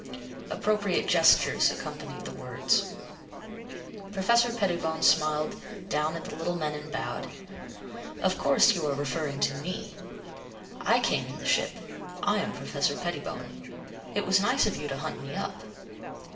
Appropriate gestures accompanied the words. Professor Pettibone smiled down at the little men and bowed. "You are of course referring to me. I came in the ship. I am Professor Pettibone. It was nice of you to hunt me up."